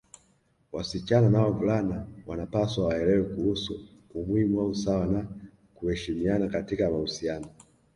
Wasichana na wavulani wanapaswa waelewe kuhusu umuhimu wa usawa na kuheshimiana katika mahusiano